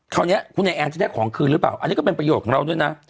คราวนี้คุณไอแอนจะได้ของคืนหรือเปล่าอันนี้ก็เป็นประโยชน์ของเราด้วยนะ